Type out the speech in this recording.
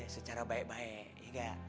secara baik baik ya gak